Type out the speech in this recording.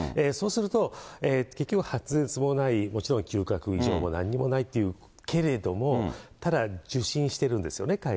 そうすると、結局、発熱もない、もちろん嗅覚以上もなんにもないというけれども、ただ、受診してるんですよね。